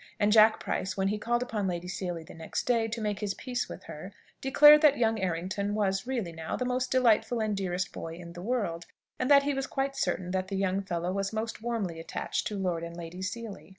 And Jack Price, when he called upon Lady Seely the next day, to make his peace with her, declared that young Errington was, really now, the most delightful and dearest boy in the world, and that he was quite certain that the young fellow was most warmly attached to Lord and Lady Seely.